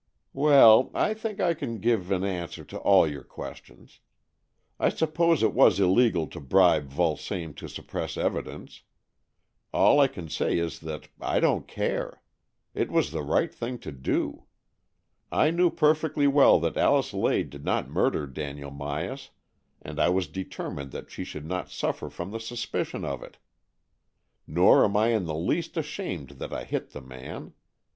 ''" Well, I think I can give an answer to all your questions. I suppose it was illegal to bribe Vulsame to suppress evidence. All I can say is that I don't care. It was the right thing to do. I knew perfectly well that Alice Lade did not murder Daniel Myas, and I was determined that she should not suffer from the suspicion of it. Nor am I in the least ashamed that I hit the man.